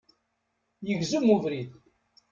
Yegzem ubrid